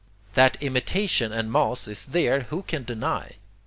That imitation en masse is there, who can deny?